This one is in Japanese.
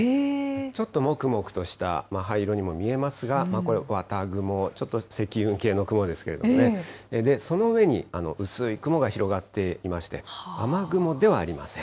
ちょっともくもくとした灰色にも見えますが、これ、綿雲、ちょっと積雲系の雲ですけれどもね、その上に薄い雲が広がっていまして、雨雲ではありません。